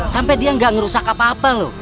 sampai dia nggak ngerusak apa apa lho